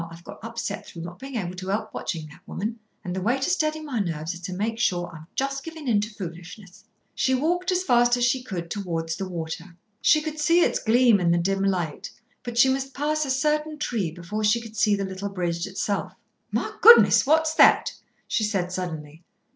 I've got upset through not being able to help watching that woman, and the way to steady my nerves is to make sure I'm just giving in to foolishness." She walked as fast as she could towards the water. She could see its gleam in the dim light, but she must pass a certain tree before she could see the little bridge itself. "My goodness! What's that?" she said suddenly.